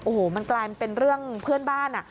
โอ้โหมันกลายเป็นเรื่องเพื่อนบ้านอ่ะ